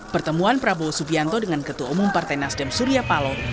pertemuan prabowo subianto dengan ketua umum partai nasdem surya paloh